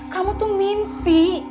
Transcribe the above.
kamu tuh mimpi